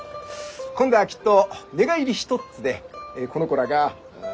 今度はきっと寝返りひとっつでこの子らが「嫁入りだ」